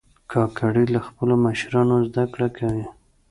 کاکړي له خپلو مشرانو زده کړه کوي.